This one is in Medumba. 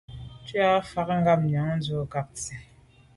Ntshùa mfà ngabnyàm ndù a kag nsi,